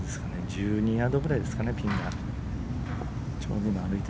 １２ヤードぐらいですかねピンまで。